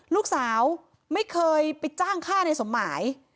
ลูกสาวไม่เคยไปจ้างฆ่าในสมหมาย